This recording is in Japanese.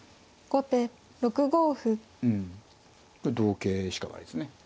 これ同桂しかないですね。